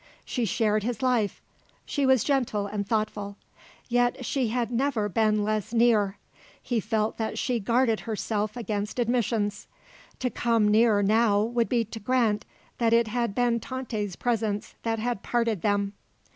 She shared his life; she was gentle and thoughtful; yet she had never been less near. He felt that she guarded herself against admissions. To come near now would be to grant that it had been Tante's presence that had parted them.